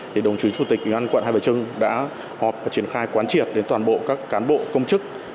thì đồng chí chủ tịch ủy ban quận hai bà trưng đã họp và triển khai quán triệt đến toàn bộ các cán bộ công chức